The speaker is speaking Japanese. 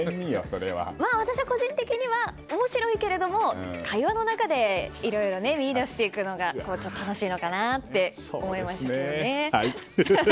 私は個人的には面白いけども会話の中で見いだしていくのが楽しいのかなと思いましたけども。